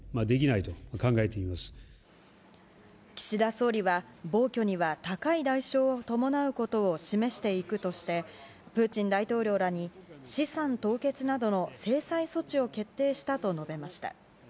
岸田総理は暴挙には高い代償を伴うことを示していくとしてプーチン大統領らに資産凍結などの制裁措置を決定したと述べました。